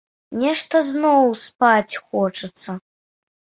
Нешта зноў спаць хочацца.